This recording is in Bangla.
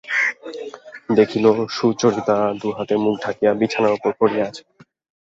দেখিল, সুচরিতা দুই হাতে মুখ ঢাকিয়া বিছানার উপর পড়িয়া আছে।